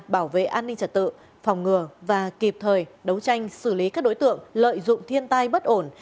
bảo vệ an ninh trật tự phòng ngừa và kịp thời đấu tranh xử lý các đối tượng lợi dụng thiên tai bất ổn